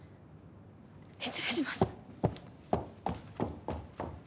失礼します。